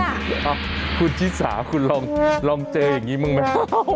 อ้าวคุณชิสาคุณลองเจแน่อย่างนี้มั้ย